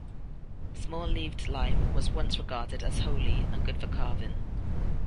Small-leaved lime was once regarded as holy and good for carving.